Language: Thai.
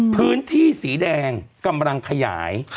พื้นที่สีแดงกำลังขยาย